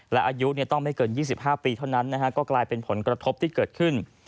และอายุต้องไม่เกิน๒๕ปีเท่านั้นก็กลายเป็นผลกระทบที่เกิดขึ้น